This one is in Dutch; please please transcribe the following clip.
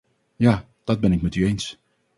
Ja, dat ben ik met u eens.